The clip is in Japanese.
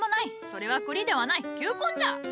それはクリではない球根じゃ。